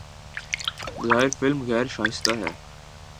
بظاہر فلم غیر شائستہ ہے